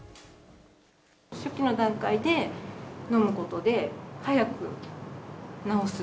初期の段階で飲むことで、早く治す。